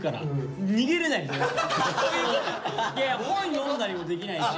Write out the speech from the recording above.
本読んだりもできないし。